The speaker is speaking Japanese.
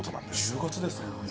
１０月ですもんね。